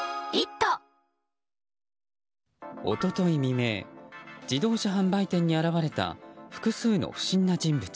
一昨日未明自動車販売店に現れた複数の不審な人物。